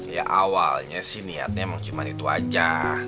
ya awalnya sih niatnya emang cuma itu aja